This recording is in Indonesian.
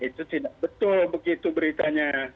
itu tidak betul begitu beritanya